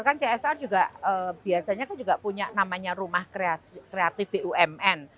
kan csr juga biasanya kan juga punya namanya rumah kreatif bumn